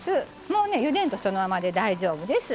もうねゆでんとそのままで大丈夫です。